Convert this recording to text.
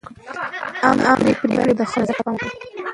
عامه پرېکړې باید د خلکو نظر ته پام وکړي.